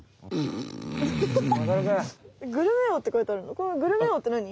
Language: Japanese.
「グルメ王」ってかいてあるのこの「グルメ王」ってなに？